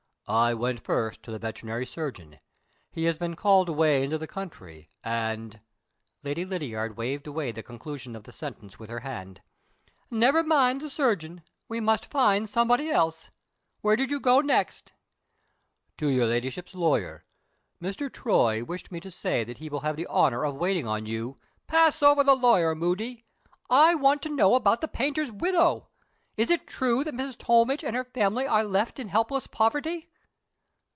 "I went first to the veterinary surgeon. He had been called away into the country; and " Lady Lydiard waved away the conclusion of the sentence with her hand. "Never mind the surgeon. We must find somebody else. Where did you go next?" "To your Ladyship's lawyer. Mr. Troy wished me to say that he will have the honor of waiting on you " "Pass over the lawyer, Moody. I want to know about the painter's widow. Is it true that Mrs. Tollmidge and her family are left in helpless poverty?"